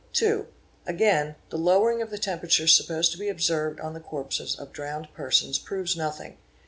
2. Again, the lowering of the temperature supposed to be observed on the corpses of drowned persons proves nothing.